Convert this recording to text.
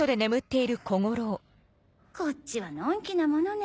こっちはのんきなものね。